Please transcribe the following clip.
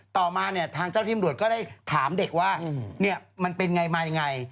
ต่อมาเนี่ยทางเจ้าที่ตำรวจก็ได้ถามเด็กว่ามันเป็นไงมายังไง